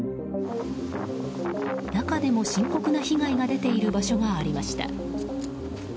中でも深刻な被害が出ている場所がありました。